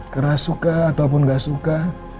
keras suka ataupun gak suka